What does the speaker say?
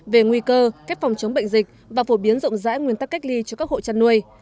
về nguy cơ cách phòng chống bệnh dịch và phổ biến rộng rãi nguyên tắc cách ly cho các hộ chăn nuôi